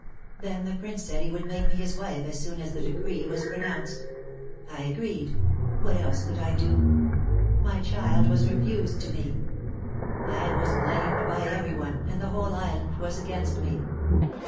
Then the Prince said he would make me his wife as soon as the decree was pronounced. I agreed. What else could I do? My child was refused to me. I was blamed by every one, and the whole island was against me.